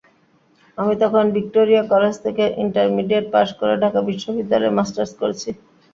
আমি তখন Victoria college থেকে ইন্টারমিডিয়েট পাস করে ঢাকা বিশ্ববিদ্যালয়ে মাস্টার্স করছি।